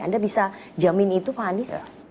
anda bisa jamin itu pak anies